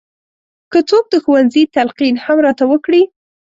که څوک د ښوونځي تلقین هم راته وکړي.